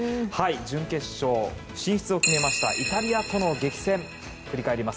準決勝進出を決めましたイタリアとの激戦振り返ります。